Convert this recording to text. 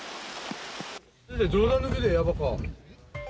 冗談抜きでやばか。